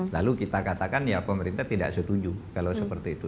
lalu kita katakan ya pemerintah tidak setuju kalau seperti itu